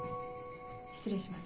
失礼します。